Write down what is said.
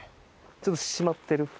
ちょっと閉まってる。